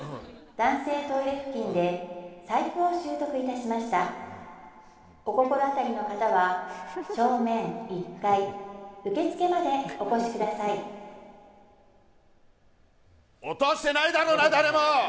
男性トイレ付近で財布を拾得いたしましたお心当たりの方は正面１階受付までお越しください落としてないだろうな誰も！